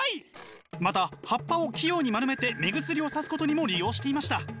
また葉っぱを器用に丸めて目薬をさすことにも利用していました。